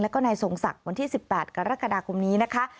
แล้วก็ในสงสักวันที่๑๘กรกฎาคมนี้นะคะ